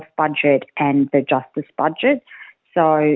pada budget kesehatan dan budget keadilan